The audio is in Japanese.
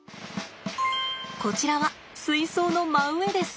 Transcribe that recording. こちらは水槽の真上です。